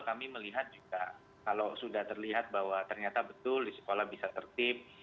kami melihat juga kalau sudah terlihat bahwa ternyata betul di sekolah bisa tertib